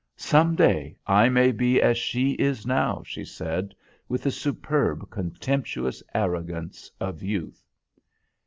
"Some day I may be as she is now," she said, with the superb contemptuous arrogance of youth.